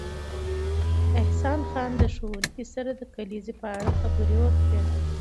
احسان خان د ښوونکي سره د کلیزې په اړه خبرې وکړې